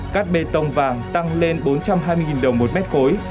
cát bê tông vàng tăng lên bốn trăm hai mươi đồng một mét khối